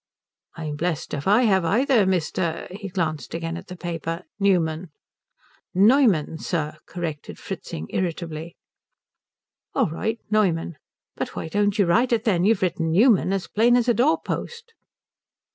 "I'm blessed if I have either, Mr." he glanced again at the paper "Newman." "Neumann, sir," corrected Fritzing irritably. "All right Noyman. But why don't you write it then? You've written Newman as plain as a doorpost."